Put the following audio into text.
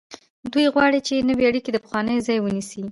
دوی غواړي چې نوې اړیکې د پخوانیو ځای ونیسي.